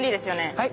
はい？